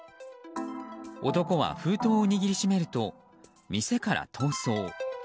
男は、封筒を握りしめると店から逃走。